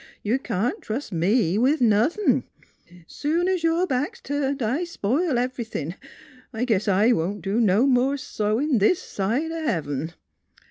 You can't trust me with nothin'. Soon's your back's turned I spile ev'rythin'. ... I guess I won't do no more sewin' this side o' heaven."